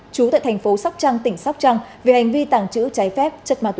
chú tại thành phố sóc trăng tỉnh sóc trăng về hành vi tàng trữ trái phép